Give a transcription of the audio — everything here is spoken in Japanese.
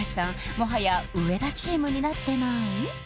もはや上田チームになってない？